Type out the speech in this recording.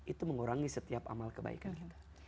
itu mengurangi setiap amal kebaikan kita